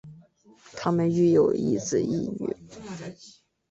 她们育有一子一女。